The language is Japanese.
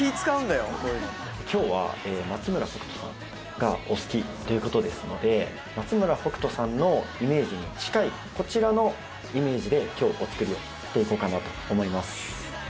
今日は松村北斗さんがお好きっていうことですので松村北斗さんのイメージに近いこちらのイメージで今日お作りをしていこうかなと思います